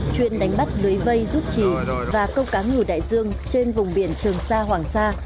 chuyên đánh bắt lưới vây rút trì và câu cá ngừ đại dương trên vùng biển trường sa hoàng sa